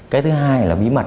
cái thứ hai là bí mật